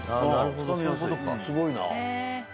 すごいなあ。